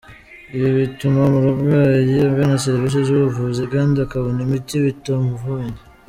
Ibi bituma umurwayi agana serivisi z’ubuvuzi kandi akabona imiti bitamuvunnye.